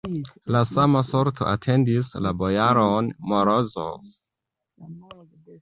La sama sorto atendis la bojaron Morozov.